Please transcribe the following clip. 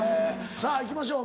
さぁいきましょう